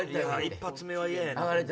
１発目は嫌やな。